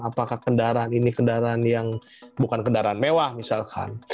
apakah kendaraan ini kendaraan yang bukan kendaraan mewah misalkan